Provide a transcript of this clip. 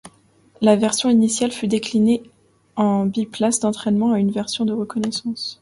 La version initiale fut déclinée en biplace d'entraînement et en une version de reconnaissance.